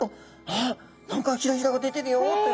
あっ何かひらひらが出てるよって。